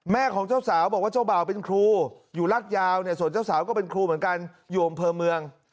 ของเจ้าสาวบอกว่าเจ้าบ่าวเป็นครูอยู่รัฐยาวเนี่ยส่วนเจ้าสาวก็เป็นครูเหมือนกันอยู่อำเภอเมือง